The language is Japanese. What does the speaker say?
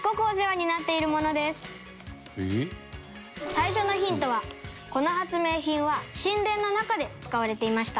最初のヒントは、この発明品は神殿の中で使われていました。